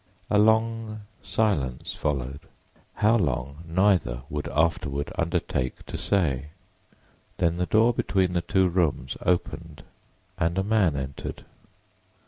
A long silence followed—how long neither would afterward undertake to say. Then the door between the two rooms opened and a man entered.